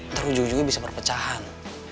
ntar ujung juga bisa perpecahan